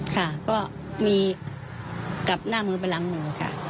ค่ะก็มีกลับหน้ามือไปหลังหนูค่ะ